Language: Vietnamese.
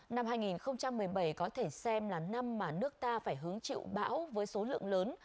năm hai nghìn một mươi bảy có thể xem là năm mà nước ta phải hứng chịu bão với số lượng lớn